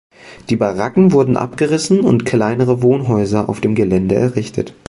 Die Baracken wurden abgerissen und kleinere Wohnhäuser auf dem Gelände errichtet.